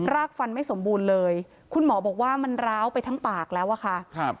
กฟันไม่สมบูรณ์เลยคุณหมอบอกว่ามันร้าวไปทั้งปากแล้วอะค่ะครับ